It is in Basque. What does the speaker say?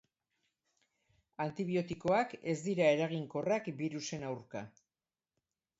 Antibiotikoak ez dira eraginkorrak birusen aurka.